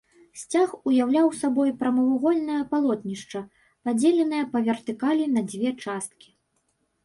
Сцяг уяўляў сабой прамавугольнае палотнішча, падзеленае па вертыкалі на дзве часткі.